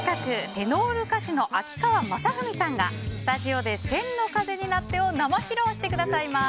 テノール歌手の秋川雅史さんがスタジオで「千の風になって」を生披露してくださいます。